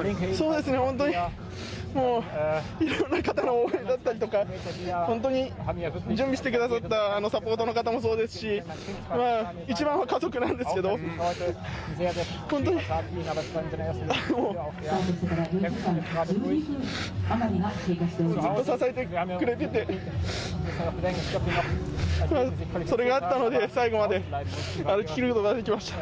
本当に色んな方の応援だったりとか本当に準備してくださったサポートの方もそうですし一番は家族なんですけど本当にずっと支えてくれていてそれがあったので最後まで歩き切ることができました。